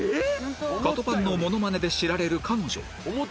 カトパンのモノマネで知られる彼女